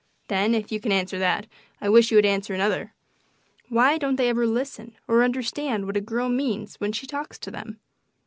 Then, if you can answer that, I wish you would answer another: Why don't they ever listen or understand what a girl means when she talks to them?